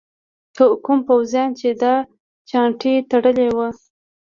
کوم پوځیان چې دا چانټې تړلي وو.